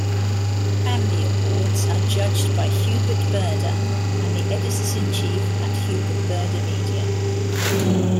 Bambi awards are judged by Hubert Burda and the editors-in-chief at Hubert Burda Media.